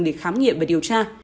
để khám nghiệm và điều tra